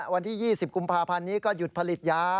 วันที่๒๐กุมภาพันธ์นี้ก็หยุดผลิตยา